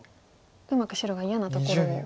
うまく白が嫌なところを。